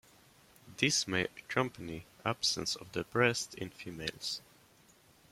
This may accompany absence of the breast in females.